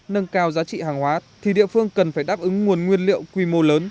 nâng cao giá trị hàng hóa thì địa phương cần phải đáp ứng nguồn nguyên liệu quy mô lớn